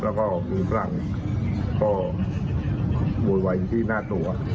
แล้วก็มือฝรั่งก็โหวนไหวอยู่ที่หน้าตัว